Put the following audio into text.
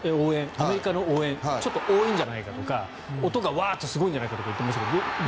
アメリカの応援ちょっと多いんじゃないかとか音がワーッとすごいんじゃないかとか言ってましたが実際。